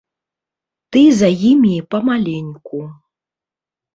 Ты за імі памаленьку.